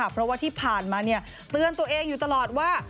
เพราะว่าที่ผ่านมาเตือนตัวเองอยู่ตลอดว่า